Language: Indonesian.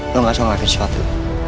lo gak sok ngelakuin sesuatu